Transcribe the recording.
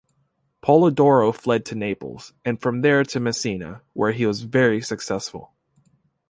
Polidoro fled to Naples, and from there to Messina, where he was very successful.